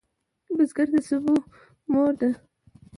بزګر د سبو مور دی